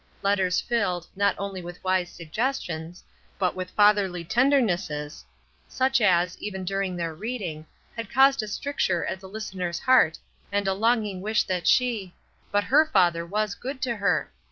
Letters filled, not only with wise suggestions, but with fatherly tenderness, such as, even during their reading, had caused a stricture at the Ustener's heart and a longing wish that she — but her father was good to her.